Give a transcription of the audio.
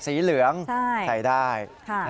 สีเหลืองใส่ได้